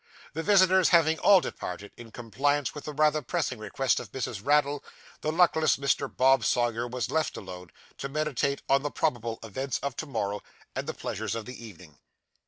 The visitors having all departed, in compliance with the rather pressing request of Mrs. Raddle, the luckless Mr. Bob Sawyer was left alone, to meditate on the probable events of to morrow, and the pleasures of the evening.